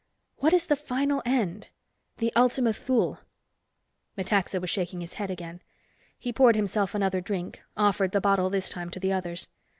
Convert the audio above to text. What is the final end, the Ultima Thule?" Metaxa was shaking his head again. He poured himself another drink, offered the bottle this time to the others.